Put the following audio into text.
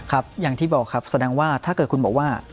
ครับอย่างที่บอกครับแสดงว่าถ้าเกิดคุณบอกว่า